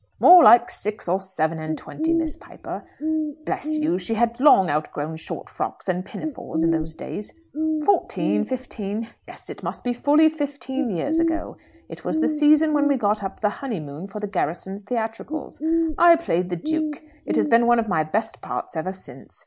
"More like six or seven and twenty, Miss Piper. Bless you, she had long outgrown short frocks and pinafores in those days. Fourteen fifteen yes; it must be fully fifteen years ago. It was the season that we got up the 'Honeymoon' for the garrison theatricals. I played the Duke. It has been one of my best parts ever since.